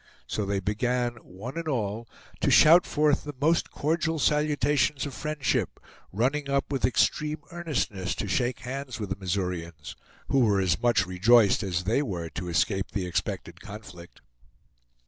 So they began, one and all, to shout forth the most cordial salutations of friendship, running up with extreme earnestness to shake hands with the Missourians, who were as much rejoiced as they were to escape the expected conflict.